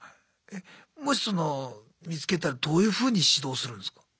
えもしその見つけたらどういうふうに指導するんですか？